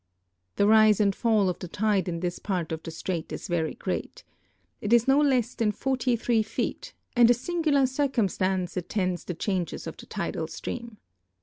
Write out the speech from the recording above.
The rise and fall of the tide in this jiart of the strait is very great. It is no less than 43 feet, and a sin gular circumstance attends the changes of the tidal stream.